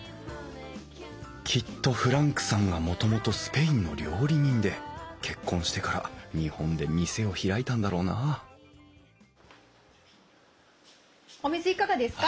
きっとフランクさんがもともとスペインの料理人で結婚してから日本で店を開いたんだろうなお水いかがですか？